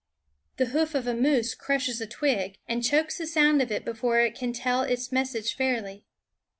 The hoof of a moose crushes a twig, and chokes the sound of it before it can tell its message fairly.